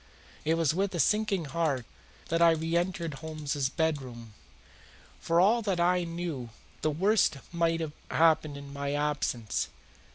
It was with a sinking heart that I reentered Holmes's bedroom. For all that I knew the worst might have happened in my absence.